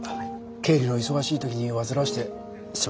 経理の忙しい時に煩わせてすみませんでした。